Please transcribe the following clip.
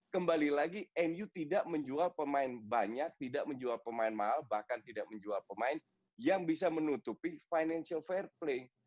kembali lagi mu tidak menjual pemain banyak tidak menjual pemain mahal bahkan tidak menjual pemain yang bisa menutupi financial fair play